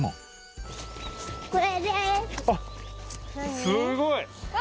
あっすごい！